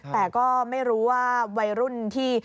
แต่ก็ไม่รู้ว่าวัยรุ่นที่